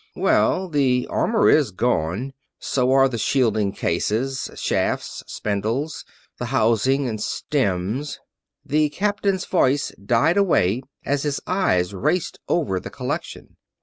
"Well, the armor is gone. So are the shielding cases, shafts, spindles, the housings and stems ..." the captain's voice died away as his eyes raced over the collection.